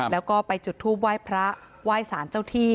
แล้วก็ไปจุดทูปไหว้พระไหว้สารเจ้าที่